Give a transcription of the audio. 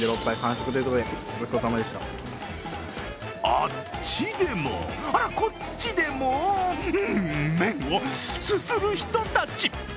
あっちでもこっちでも、麺をすする人たち。